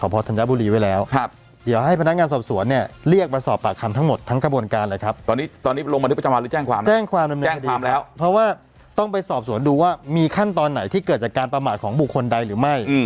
เพราะว่าต้องไปสอบสวนดูว่ามีขั้นตอนไหนที่เกิดจากการประมาทของบุคคลใดหรือไม่